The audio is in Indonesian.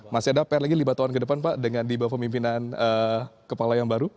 masih ada pr lagi lima tahun ke depan pak dengan di bawah pemimpinan kepala yang baru